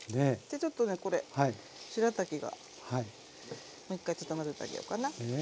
ちょっとねこれしらたきがもう一回ちょっと混ぜてあげようかな。